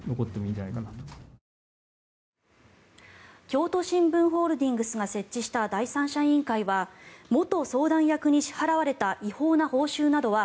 京都新聞ホールディングスが設置した第三者委員会は元相談役に支払われた違法な報酬などは